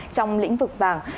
trong lĩnh vực vàng